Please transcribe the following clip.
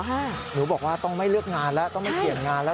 หนูบอกว่าต้องไม่เลือกงานแล้วต้องไม่เปลี่ยนงานแล้ว